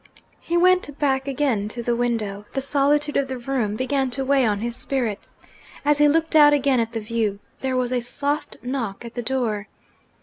He went back again to the window: the solitude of the room began to weigh on his spirits. As he looked out again at the view, there was a soft knock at the door.